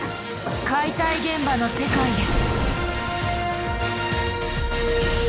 解体現場の世界へ！